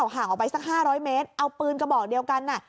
ห่างออกไปสัก๕๐๐เมตรเอาปืนกระบอกเดียวกัน